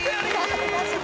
恥ずかしい。